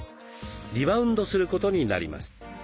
リバウンドすることになります。